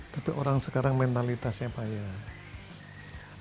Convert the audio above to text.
tapi orang sekarang mentalitasnya banyak